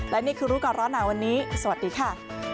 และนี่คือรู้ก่อนร้อนหนาวันนี้สวัสดีค่ะ